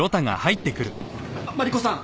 マリコさん